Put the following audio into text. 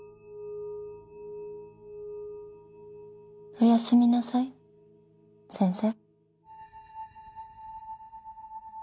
おやすみなさい先生